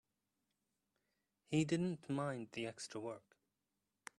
He didn't mind the extra work.